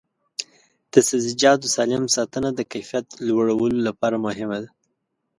د سبزیجاتو سالم ساتنه د کیفیت لوړولو لپاره مهمه ده.